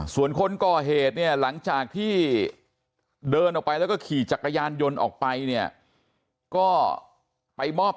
ส่วนคนกล่อเหตุเนี่ยลังจากที่เดินออกไปแล้วขี่จักรยานยนต์ออกไปก็ไปบ้อบตัวกับตำรวจนะครับท่านผู้ชมครับ